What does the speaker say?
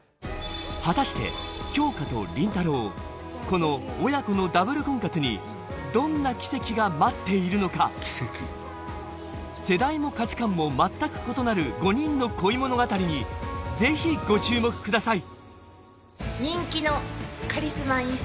果たして杏花と林太郎この親子のダブル婚活にどんな奇跡が待っているのか世代も価値観も全く異なる５人の恋物語にぜひご注目ください